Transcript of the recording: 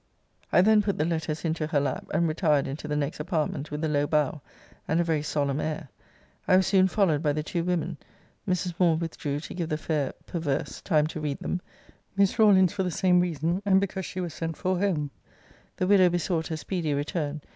I then put the letters into her lap, and retired into the next apartment with a low bow, and a very solemn air. I was soon followed by the two women. Mrs. Moore withdrew to give the fair perverse time to read them: Miss Rawlins for the same reason, and because she was sent for home. The widow besought her speedy return.